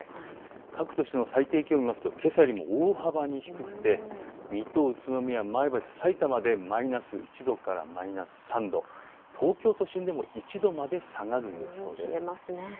各都市の最低気温見ますとけさよりも大幅に低くて水戸、宇都宮、前橋、さいたまでマイナス１度からマイナス３度東京都心でも１度まで下がる予想です。